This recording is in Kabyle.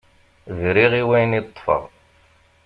Briɣ i wayen i ṭṭfeɣ.